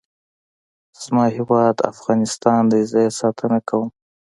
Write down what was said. زما هیواد افغانستان دی. زه یې ساتنه کوم.